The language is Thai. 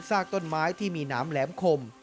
ซากต้นไม้ที่มีน้ำแหลมขม